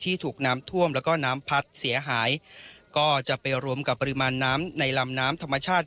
ถูกน้ำท่วมแล้วก็น้ำพัดเสียหายก็จะไปรวมกับปริมาณน้ำในลำน้ำธรรมชาติ